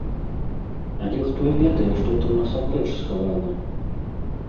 Але хто ведае што там насамрэч схавана?